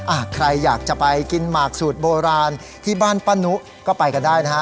ใครอยากจะไปกินหมากสูตรโบราณที่บ้านป้านุก็ไปกันได้นะฮะ